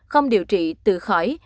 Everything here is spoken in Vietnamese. không điều trị tự khỏi